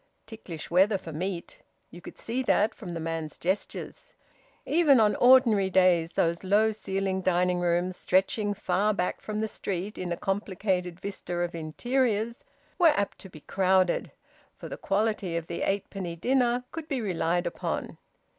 Ticklish weather for meat you could see that from the man's gestures. Even on ordinary days those low ceiled dining rooms, stretching far back from the street in a complicated vista of interiors, were apt to be crowded; for the quality of the eightpenny dinner could be relied upon.